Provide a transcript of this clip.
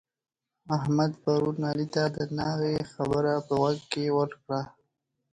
احمد پرون علي ته د ناغې خبره په غوږ کې ورکړه.